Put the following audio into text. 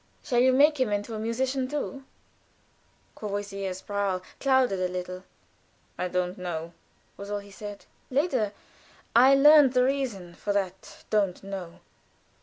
Shall you make him into a musician too?" Courvoisier's brow clouded a little. "I don't know," was all he said. Later, I learned the reason of that "don't know."